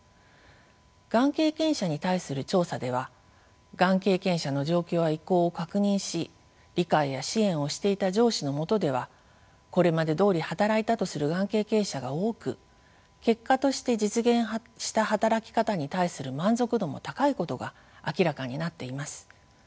がん経験者に対する調査ではがん経験者の状況や意向を確認し理解や支援をしていた上司のもとではこれまでどおり働いたとするがん経験者が多く結果として実現した働き方に対する満足度も高いことが明らかになっています。